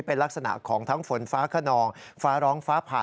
เป็นลักษณะของทั้งฝนฟ้าขนองฟ้าร้องฟ้าผ่า